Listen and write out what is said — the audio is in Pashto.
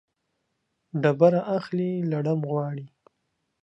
ډبره اخلي ، لړم غواړي.